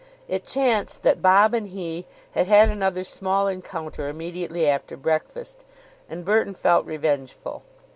It chanced that Bob and he had had another small encounter immediately after breakfast, and Burton felt revengeful.